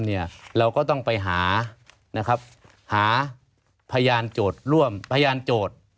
เราก็ต้องไปหานะครับหาพยานโจทย์ร่วมพยานโจทย์